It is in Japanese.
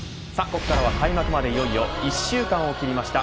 ここからは、開幕までいよいよ１週間を切りました。